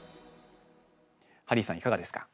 ハリーさん、いかがですか？